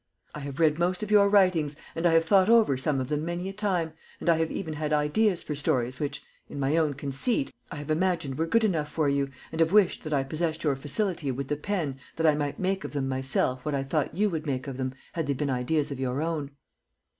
I have read most of your writings, and I have thought over some of them many a time, and I have even had ideas for stories, which, in my own conceit, I have imagined were good enough for you, and I have wished that I possessed your facility with the pen that I might make of them myself what I thought you would make of them had they been ideas of your own."